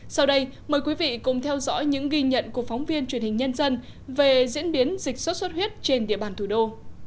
sau đây mời quý vị cùng theo dõi những ghi nhận của phóng viên truyền hình nhân dân về diễn biến dịch sốt xuất huyết trên địa bàn thủ đô